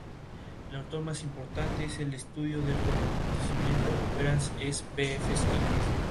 Son considerados como una de las bandas pioneras del punk rock colombiano.